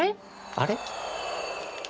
あれ？